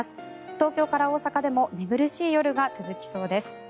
東京から大阪でも寝苦しい夜が続きそうです。